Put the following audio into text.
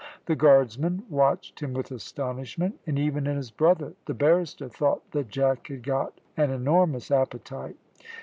The guardsman watched him with astonishment, and even his brother, the barrister, thought that Jack had got an enormous appetite.